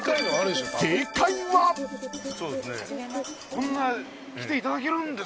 こんな来ていただけるんですね。